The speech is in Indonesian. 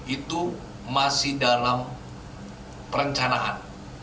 itu masih dalam perencanaan